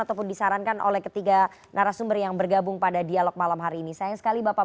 ataupun disarankan oleh ketiga narasumber yang bergabung pada dialog malam hari ini